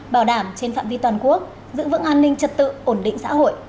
bảo đảm trên phạm vi toàn quốc giữ vững an ninh trật tự ổn định xã hội